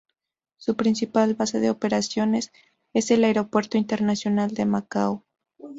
Su principal base de operaciones es el Aeropuerto Internacional de Macao.